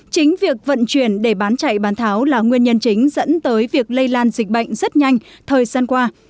chính việc vận chuyển để bán chạy bán tháo là nguyên nhân chính dẫn tới việc lây lan dịch bệnh rất nhanh thời gian qua